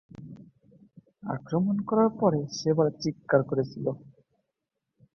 আক্রমণ করার পর সে বলে চিৎকার করেছিল।